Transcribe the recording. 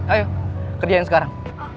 ayo kerjain sekarang